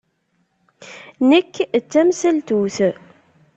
Nekk d tamsaltut.